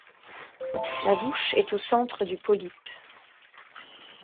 La bouche est au centre du polype.